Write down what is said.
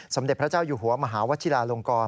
สมเด็จพระเจ้าอยู่หัวมหาวัชิลาลงกร